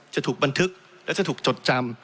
จะถูกบันทึกและจะถูกจดจำ